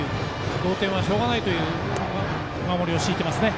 同点はしょうがないという守りを敷いています。